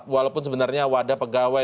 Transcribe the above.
walaupun sebenarnya wadah pegawai